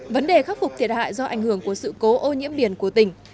vấn đề khắc phục thiệt hại do ảnh hưởng của sự cố ô nhiễm biển của tỉnh